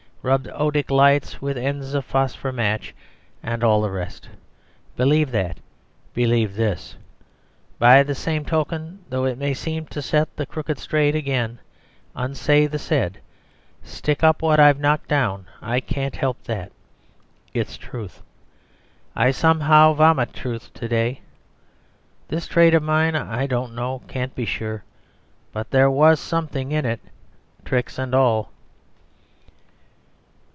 Rubbed odic lights with ends of phosphor match, And all the rest; believe that: believe this, By the same token, though it seem to set The crooked straight again, unsay the said, Stick up what I've knocked down; I can't help that, It's truth! I somehow vomit truth to day. This trade of mine I don't know, can't be sure But there was something in it, tricks and all!"